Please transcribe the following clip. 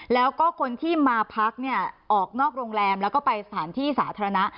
แล้วก็คนที่มาพักเนี่ยออกนอกโรงแรมแล้วก็ไปสถานที่สาธารณะ